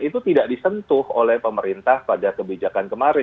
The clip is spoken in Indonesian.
itu tidak disentuh oleh pemerintah pada kebijakan kemarin